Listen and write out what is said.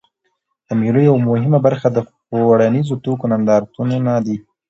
د مېلو یوه مهمه برخه د خوړنیزو توکو نندارتونونه دي.